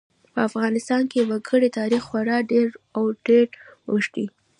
په افغانستان کې د وګړي تاریخ خورا ډېر او ډېر اوږد دی.